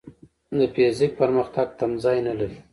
د فزیک پرمختګ تمځای نه لري.